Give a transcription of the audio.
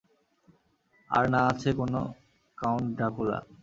আর না আছে কোন কাউন্ট ড্রাকুলা?